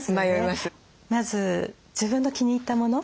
まず自分の気に入ったもの